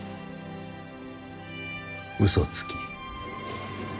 嘘つき。